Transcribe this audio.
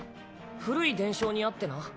古い伝承にあってな。